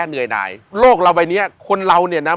เหนื่อยหน่ายโลกเราใบเนี้ยคนเราเนี่ยนะ